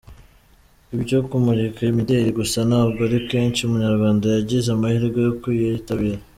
ibyo kumurika imideli gusa ntabwo ari kenshi. Umunyarwanda Yagize amahirwe yo kuyitabira.